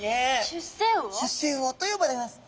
出世魚と呼ばれます。